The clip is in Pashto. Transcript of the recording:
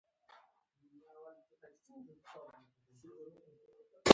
عجبه دنيا ده سړى پر مريضۍ خوشاله وي.